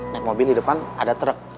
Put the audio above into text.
naik mobil di depan ada truk